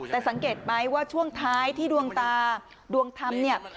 แต่สังเกตไหมว่าช่วงท้ายที่ดวงตาดวงธรรมเนี่ย